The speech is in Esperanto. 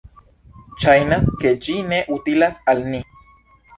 Ŝajnas ke ĝi ne utilas al ni...